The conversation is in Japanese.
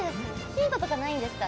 ヒントとかないんですか？